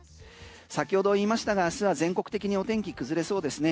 先ほども言いましたが明日は全国的にお天気崩れそうですね。